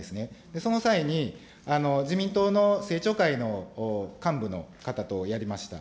その際に、自民党の政調会の幹部の方とやりました。